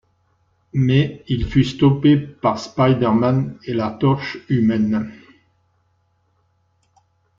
Mais il fut stoppé par Spider-Man et la Torche Humaine.